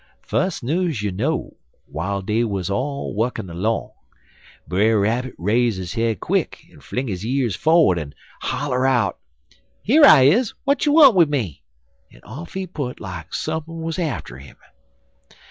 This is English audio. Fus' news you know, w'ile dey wuz all wukkin' long, Brer Rabbit raise his head quick en fling his years forerd en holler out: "'Here I is. W'at you want wid me?' en off he put like sump'n wuz atter 'im.